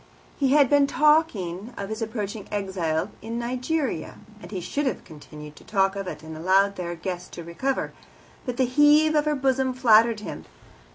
He had been talking of his approaching exile in Nigeria, and he should have continued to talk of it, and allowed their guest to recover. But the heave of her bosom flattered him.